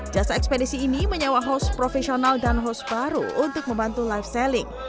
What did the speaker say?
jasa ekspedisi ini menyewa host profesional dan host baru untuk membantu live selling